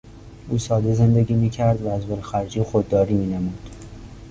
او ساده زندگی میکرد و از ولخرجی خودداری مینمود.